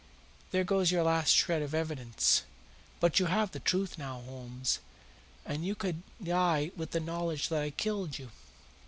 There goes your last shred of evidence. But you have the truth now, Holmes, and you can die with the knowledge that I killed you.